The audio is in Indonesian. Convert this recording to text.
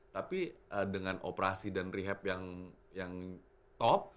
tapi dengan operasi dan rehab yang top